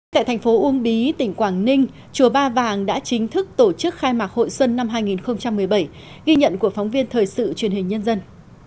tại thành phố uông bí tỉnh quảng ninh chùa ba vàng đã chính thức tổ chức khai mạc hội xuân năm hai nghìn một mươi bảy ghi nhận của phóng viên thời sự truyền hình nhân dân